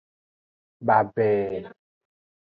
Babe.